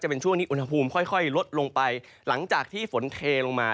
เป็นช่วงนี้อุณหภูมิค่อยลดลงไปหลังจากที่ฝนเทลงมา